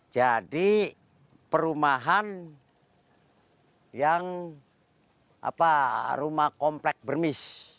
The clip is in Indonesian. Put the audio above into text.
jadi perumahan yang rumah komplek bermis